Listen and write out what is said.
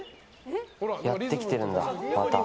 やってきてるんだ、また。